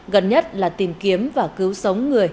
gần nhất là tìm kiếm và cứu sống người